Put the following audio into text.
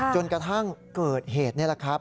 จนกระทั่งเกิดเหตุนี่แหละครับ